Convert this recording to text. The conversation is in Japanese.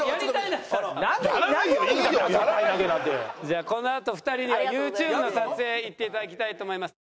じゃあこのあと２人にはユーチューブの撮影行っていただきたいと思います。